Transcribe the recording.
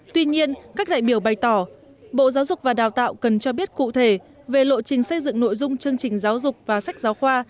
tuy nhiên các đại biểu bày tỏ bộ giáo dục và đào tạo cần cho biết cụ thể về lộ trình xây dựng nội dung chương trình giáo dục và sách giáo khoa